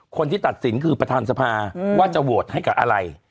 คนที่ตัดสินคือประธานสภาว่าจะโหวตให้กับอะไร